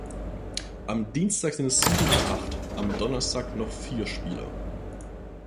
Am Dienstag sind es sieben oder acht, am Donnerstag noch vier Spieler.